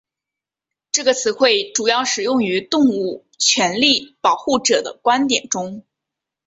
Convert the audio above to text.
这个词汇主要使用于动物权利保护者的观点中。